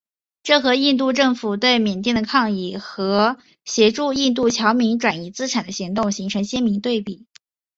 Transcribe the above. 这和印度政府对缅甸的抗议和协助印度侨民转移资产的行动形成了鲜明对比。